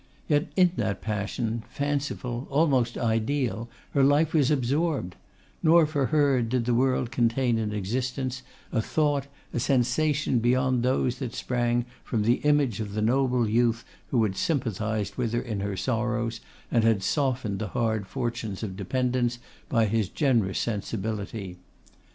Yet in that passion, fanciful, almost ideal, her life was absorbed; nor for her did the world contain an existence, a thought, a sensation, beyond those that sprang from the image of the noble youth who had sympathised with her in her sorrows, and had softened the hard fortunes of dependence by his generous sensibility.